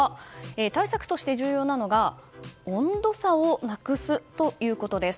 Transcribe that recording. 対策として重要なのが温度差をなくすということです。